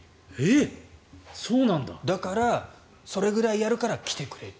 だからそれぐらいやるから来てくれと。